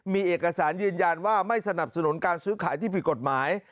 มีเอกสารยืนยันว่าไม่สนับสนุนการซื้อขายที่ผิดกฎหมาย